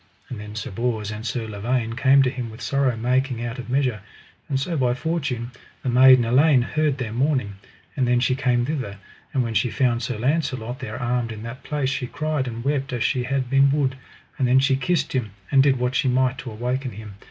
And then Sir Bors and Sir Lavaine came to him with sorrow making out of measure. And so by fortune the maiden Elaine heard their mourning, and then she came thither; and when she found Sir Launcelot there armed in that place she cried and wept as she had been wood; and then she kissed him, and did what she might to awake him.